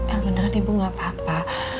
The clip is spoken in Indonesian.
el beneran ibu gak apa apa